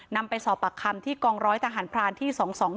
นำไปสอบปากคำที่กองร้อยทหารพรานที่๒๒